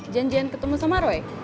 janjian ketemuan sama roy